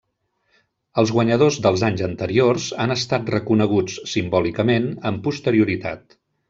Els guanyadors dels anys anteriors han estat reconeguts, simbòlicament, amb posterioritat.